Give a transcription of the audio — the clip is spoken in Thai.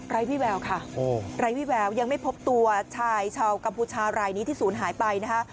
วิแววค่ะไร้วิแววยังไม่พบตัวชายชาวกัมพูชารายนี้ที่ศูนย์หายไปนะคะ